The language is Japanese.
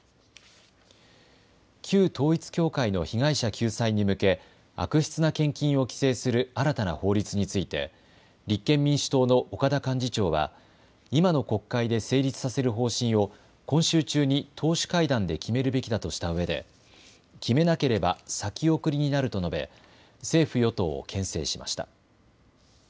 旧統一教会の被害者救済に向け悪質な献金を規制する新たな法律について立憲民主党の岡田幹事長は今の国会で成立させる方針を今週中に党首会談で決めるべきだとしたうえで決めなければ先送りになると述べ政府与党をけん制しました。